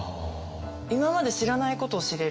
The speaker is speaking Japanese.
今まで知らないことを知れる。